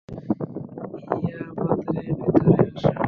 Yeah মাত্রে ভিতরে আসো।